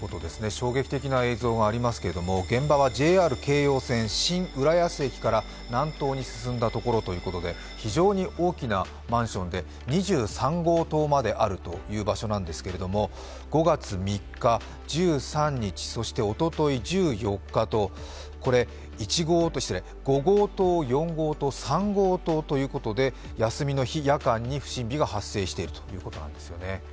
衝撃的な映像がありますけれども現場はＪＲ京葉線・新浦安駅から南東に進んだところということで、非常に大きなマンションで２３号棟まであるという場所なんですけれども、５月３日、１３日、そしておととい１４日と５号棟、４号棟、３号棟ということで休みの日、夜間に不審火が発生しているということなんですよね。